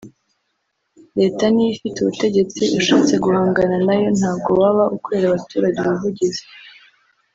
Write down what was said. Leta niyo ifite ubutegetsi ushatse guhangana nayo ntabwo waba ukorera abaturage ubuvugizi